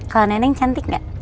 kalau nenek cantik gak